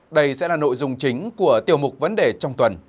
đây sẽ là nội dung chính của tiêu mục vấn đề trong tuần